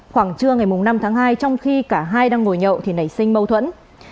khoảng trưa ngày năm tháng hai trong khi cả hai đang ngồi nhậu thì nảy sinh mâu thuẫn